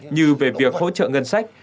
như về việc hỗ trợ ngân sách